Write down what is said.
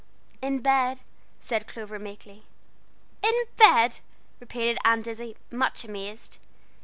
"In bed," said Clover, meekly. "In bed!" repeated Aunt Izzie, much amazed.